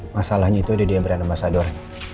masalahnya itu ada di ambren ambasador